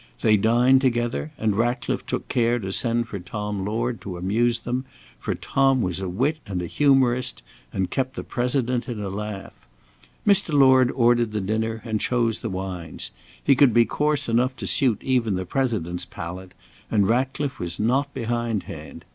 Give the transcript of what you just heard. They dined together and Ratcliffe took care to send for Tom Lord to amuse them, for Tom was a wit and a humourist, and kept the President in a laugh. Mr. Lord ordered the dinner and chose the wines. He could be coarse enough to suit even the President's palate, and Ratcliffe was not behindhand.